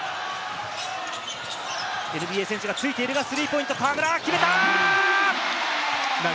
ＮＢＡ選手がついているがスリーポイント、河村、決めた！